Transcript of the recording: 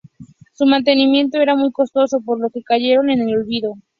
Su mantenimiento era muy costoso, por lo que cayeron en el olvido.